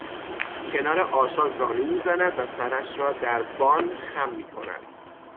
کنار آشا زانو میزند و سرش را در وان خم می کند